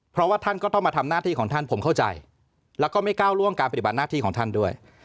เพราะว่าท่านก็ต้องมาทำหน้าที่ของท่านผมเข้าใจแล้วก็ไม่ก้าวล่วงการปฏิบัติหน้าที่ของท่านด้วย